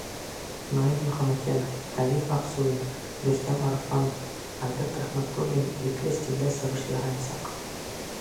Наил Мөхәмәтйәнов, Рәдиф Аҡсурин, Рөстәм Арыҫланов, Альберт Рәхмәтуллин ирекле стилдә сығыш яһаясаҡ.